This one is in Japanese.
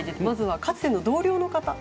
まずは、かつての同僚の方。